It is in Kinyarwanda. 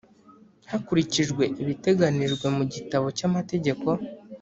Hakurikijwe ibiteganijwe mu gitabo cy’amategeko